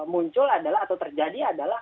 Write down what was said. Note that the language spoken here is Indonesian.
muncul adalah atau terjadi adalah